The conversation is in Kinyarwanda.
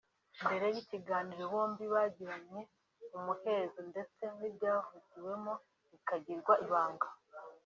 Mbere y’ikiganiro bombi bagiranye mu muhezo ndetse n’ibyavugiwemo bikagirwa ibanga